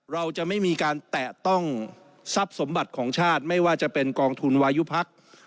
เราจะไม่มีการแตะต้องทรัพย์สมบัติของชาติไม่ว่าจะเป็นกองทุนวายุพัก